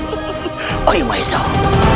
jatuhkan raion lama cpk baezah